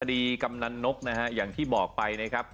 กำนันนกนะฮะอย่างที่บอกไปนะครับ